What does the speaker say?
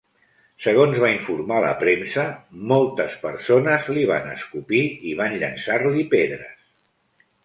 Segons va informar la premsa, moltes persones li van escopir i van llançar-li pedres.